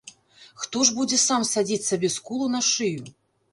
Хто ж будзе сам садзіць сабе скулу на шыю?